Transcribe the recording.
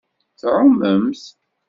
Tɛumemt.